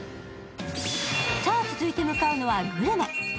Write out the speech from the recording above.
さぁ、続いて向かうのはグルメ。